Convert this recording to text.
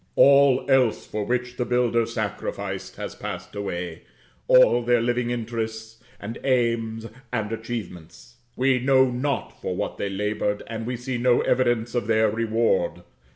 All else for which the builders sacrificed, has passed away all their living interests, and aims, and achievements. We know not for what they labored, and we see no evidence of their reward.